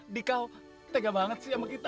dikau tega banget sih sama kita